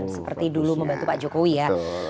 seperti dulu membantu pak jokowi ya